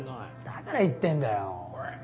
だから言ってんだよ。